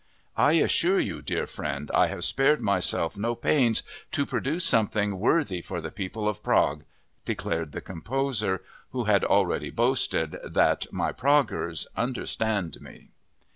"I assure you, dear friend, I have spared myself no pains to produce something worthy for the people of Prague!" declared the composer, who had already boasted that "my Praguers understand me."